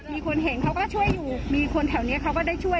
มีคนเห็นเขาก็ช่วยอยู่มีคนแถวนี้เขาก็ได้ช่วย